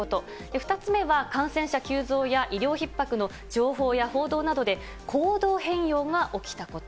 ２つ目は感染者急増や医療ひっ迫の情報や報道などで、行動変容が起きたこと。